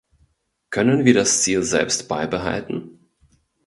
Können wir das Ziel selbst beibehalten?